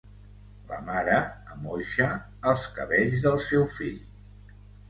La mare amoixa els cabells del seu fill.